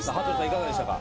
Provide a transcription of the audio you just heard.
いかがでしたか？